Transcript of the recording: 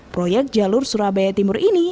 proyek jalur surabaya timur ini